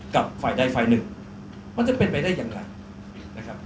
กับฝ่ายใดฝ่ายหนึ่งมันจะเป็นไปได้อย่างไรนะครับ